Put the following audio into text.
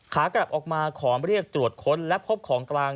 ขากลับออกมาขอเรียกตรวจค้นและพบของกลาง